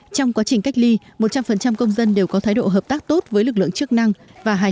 trong quá trình cách ly một trăm linh công dân đều có thái độ hợp tác tốt với lực lượng chức năng và hải